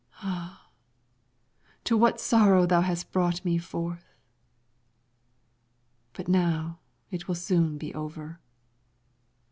Ah, to what sorrow thou hast brought me forth! But now it will soon be over.